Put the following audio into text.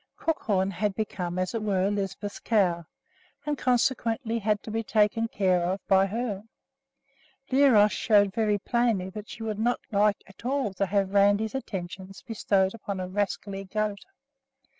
Crookhorn had become, as it were, Lisbeth's cow, and consequently had to be taken care of by her. Bliros showed very plainly that she would not like at all to have Randi's attentions bestowed upon a rascally goat.